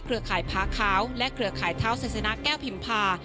ข่ายผาขาวและเครือข่ายเท้าศาสนะแก้วพิมพา